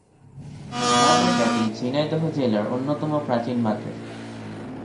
মাদ্রাসাটি ঝিনাইদহ জেলার অন্যতম প্রাচীন মাদ্রাসা।